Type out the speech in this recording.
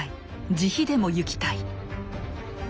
自費でもゆきたい」。